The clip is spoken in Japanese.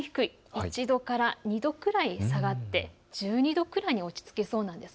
１度から２度くらい下がって１２度くらいに落ち着きそうです。